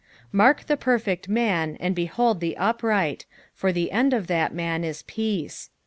37 Mark the perfect man, and behold the upright : for the end of that man is peace.